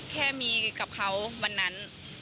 แค่มีกับเขาวันนั้น